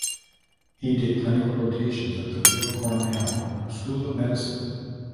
He did clinical rotations at the Weill Cornell School of Medicine.